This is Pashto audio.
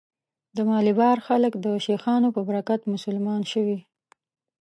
د مالیبار خلک د شیخانو په برکت مسلمان شوي.